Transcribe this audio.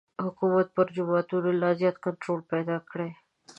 حکومت پر جوماتونو لا زیات کنټرول پیدا کړي.